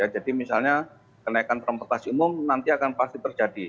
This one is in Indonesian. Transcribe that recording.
jadi misalnya kenaikan transportasi umum nanti akan pasti terjadi